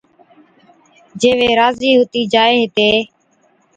جي وي راضِي ھُتِي جائي ھِتي